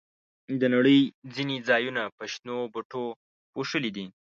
د نړۍ ځینې ځایونه په شنو بوټو پوښلي دي.